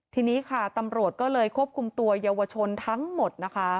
ทีนี้ค่ะตำรวจก็เลยควบคุมตัวเยาวชนทั้งหมดนะคะ